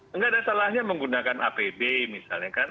tidak ada salahnya menggunakan apb misalnya kan